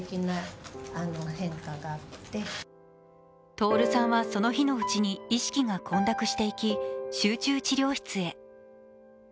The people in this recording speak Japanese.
徹さんはその日のうちに意識が混濁していき集中治療室へ。